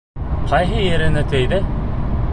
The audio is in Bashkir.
Ҡайһы ереңә тейҙе?